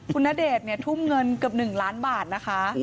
คุณณเดชน์เนี่ยทุ่มเงินเกือบ๑ล้านบาทนะคะ